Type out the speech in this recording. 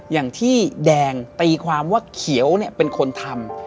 อย่างที่แดงตีความว่าเขียวเนี่ยเป็นคนทำ